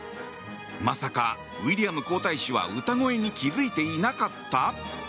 まさかウィリアム皇太子は歌声に気づいていなかった？